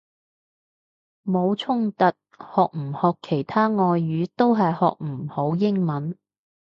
冇衝突，學唔學其他外語都係學唔好英文！